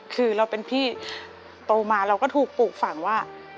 คือเราเป็นพี่โตมาเราก็ถูกปลูกฝังว่า